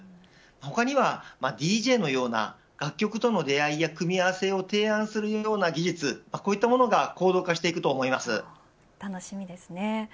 他にはＤＪのような楽曲との出会いや組み合わせを提案するような技術、こういったものが楽しみですね。